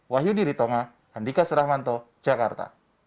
wahyu diritonga andika suramanto jakarta